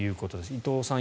伊藤さん